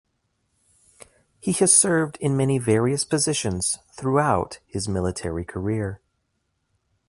He has served in many various positions throughout his military career.